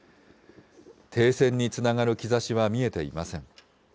停戦につながる兆しは見えていません。